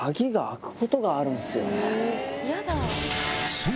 そう！